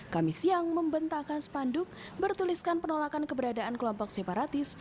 kami siang membentakan sepanduk bertuliskan penolakan keberadaan kelompok separatis